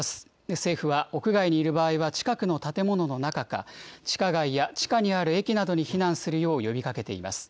政府は屋外にいる場合は、近くの建物の中か、地下街や地下にある駅などに避難するよう呼びかけています。